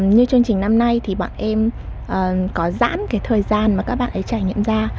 như chương trình năm nay thì bọn em có giãn cái thời gian mà các bạn ấy trải nghiệm ra